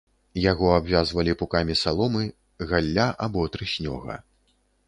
Яго абвязвалі пукамі саломы, галля або трыснёга.